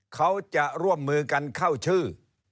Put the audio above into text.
เขาจะร่วมมือกันเข้าชื่อ